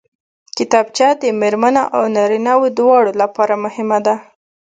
کتابچه د مېرمنو او نارینوو دواړو لپاره مهمه ده